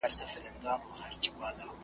هغه ورځ هم لیري نه ده چي به کیږي حسابونه .